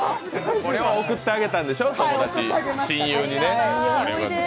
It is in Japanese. これを贈ってあげたんでしょ、親友に。